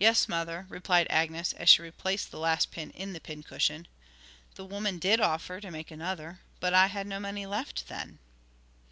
'Yes, mother,' replied Agnes, as she replaced the last pin in the pincushion; 'the woman did offer to make another, but I had no money left then.'